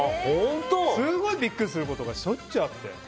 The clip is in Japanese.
すごいビックリすることがしょっちゅうあって。